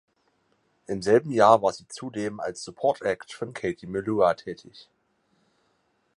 Im selben Jahr war sie zudem als Support Act von Katie Melua tätig.